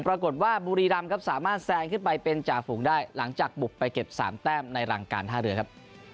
บุรีรำครับสามารถแซงขึ้นไปเป็นจ่าฝูงได้หลังจากบุกไปเก็บ๓แต้มในรังการท่าเรือครับ